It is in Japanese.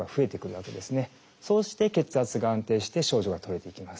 そうして血圧が安定して症状が取れていきます。